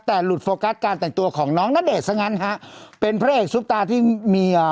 แต่หลุดโฟกัสการแต่งตัวของน้องณเดชนซะงั้นฮะเป็นพระเอกซุปตาที่มีอ่า